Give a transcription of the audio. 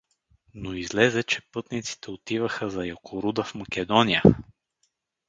Но излезе, че пътниците отиваха за Якоруда в Македония.